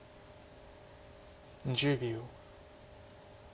１０秒。